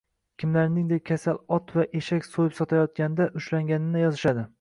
kimlarningdir kasal ot va eshak so'yib sotilayotganda ushlanganini yozishadi.